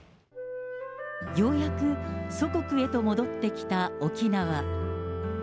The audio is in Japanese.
ようやく祖国へと戻ってきた沖縄。